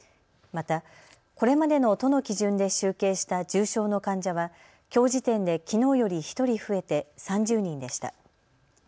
また、これまでの都の基準で集計した重症の患者はきょう時点できのうより１人増えて３０人でした。